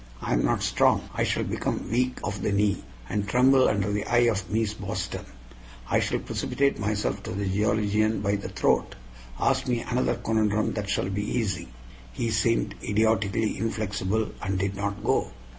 I am not strong. I shall become weak of the knee and tremble under the eye of Mees Boston. I shall precipitate myself to the geologian by the throat. Ask me another conundrum that shall be easy." He seemed idiotically inflexible, and did not go.